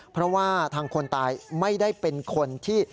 เพราะว่าทางคนตายไม่ได้เป็นคนที่